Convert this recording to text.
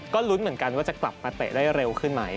ก็ลุ้นเหมือนกันว่าจะกลับมาเตะได้เร็วขึ้นไหม